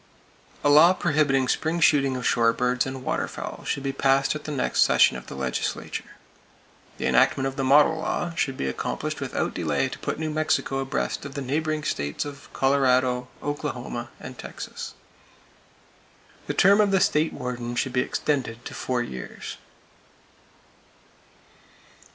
A law prohibiting spring shooting of shore birds and waterfowl should be passed at the next session of the legislature. The enactment of the "model law" should be accomplished without delay to put New Mexico abreast of the neighboring states of Colorado, Oklahoma and Texas. The term of the State Warden should be extended to four years.